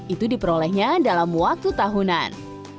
itu diperolehnya dalam waktu tahunan